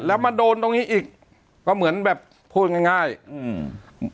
แล้วมาโดนตรงนี้อีกก็เหมือนแบบพูดง่ายง่ายอืม